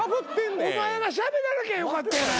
お前がしゃべらなきゃよかったやないかい。